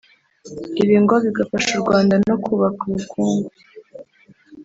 ibi ngo bigafasha u Rwanda no kubaka ubukungu